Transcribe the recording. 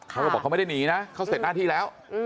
เขาบอกเขาไม่ได้หนีนะเขาเสร็จหน้าที่แล้ว